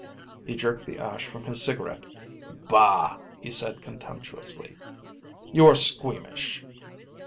He jerked the ash from his cigarette. "Bah!" he said contemptuously. "You are squeamish."